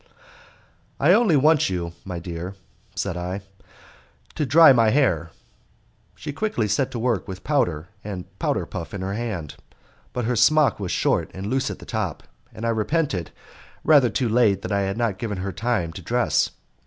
"I only want you, my dear," said I, "to dry my hair." She quickly set to work with powder and powder puff in hand, but her smock was short and loose at the top, and I repented, rather too late, that I had not given her time to dress.